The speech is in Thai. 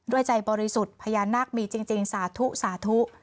ด้วยใจบริสุทธิ์พญานักมีจริงสาธุ